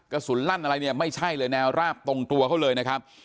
กระสุนลั่นอะไรเนี่ยไม่ใช่เลยแนวราบตรงตัวเขาเลยนะครับ